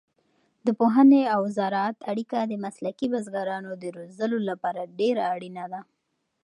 د پوهنې او زراعت اړیکه د مسلکي بزګرانو د روزلو لپاره ډېره اړینه ده.